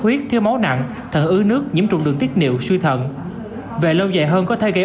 bệnh khó nặng thận ứ nước nhiễm trụng đường tiết niệu suy thận về lâu dài hơn có thể gây